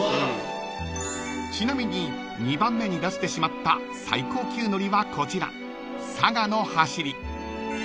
［ちなみに２番目に出してしまった最高級海苔はこちら］